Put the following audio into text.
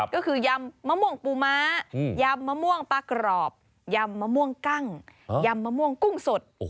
ก็คือยำมะม่วงปูม้ายำมะม่วงปลากรอบยำมะม่วงกั้งยำมะม่วงกุ้งสด